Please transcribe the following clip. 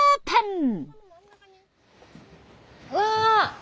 うわ！